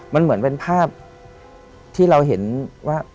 มันเป็นภาพที่เราเห็นว่า